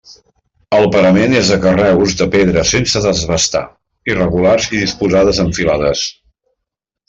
El parament és de carreus de pedra sense desbastar, irregulars i disposades en filades.